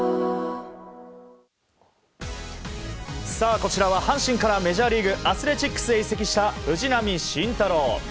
こちらは阪神からメジャーリーグアスレチックスへ移籍した藤浪晋太郎。